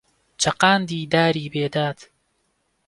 چەقاندی داری بێداد